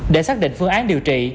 để xác định phương án điều trị